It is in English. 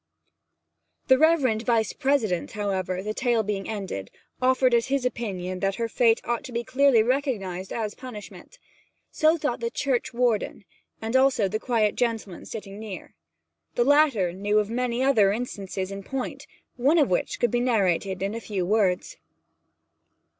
The reverend the Vice President, however, the tale being ended, offered as his opinion that her fate ought to be quite clearly recognized as a punishment. So thought the Churchwarden, and also the quiet gentleman sitting near. The latter knew many other instances in point, one of which could be narrated in a few words.